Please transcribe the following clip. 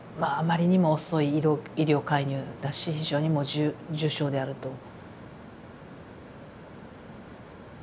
あまりにも遅い医療介入だし非常に重症であると。